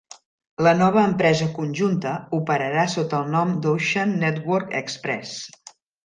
La nova empresa conjunta operarà sota el nom d'"Ocean Network Express".